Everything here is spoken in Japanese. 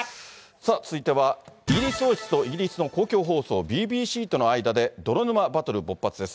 さあ、続いてはイギリス王室とイギリスの公共放送、ＢＢＣとの間で泥沼バトル勃発です。